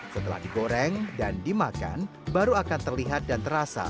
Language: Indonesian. setelah digoreng dan dimakan baru akan terlihat dan terasa